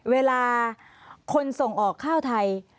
เวลาคนส่งออกข้าวไทย